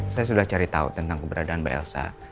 saya sudah cari tahu tentang keberadaan mbak elsa